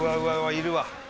いるわ。